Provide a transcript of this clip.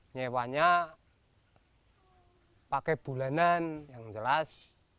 nyewanya pakai bulanan yang jelas